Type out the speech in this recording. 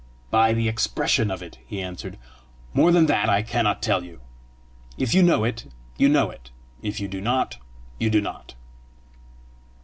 "By the expression of it," he answered. "More than that I cannot tell you. If you know it, you know it; if you do not, you do not."